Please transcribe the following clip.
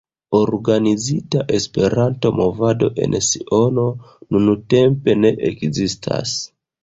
Organizita Esperanto-movado en Siono nuntempe ne ekzistas.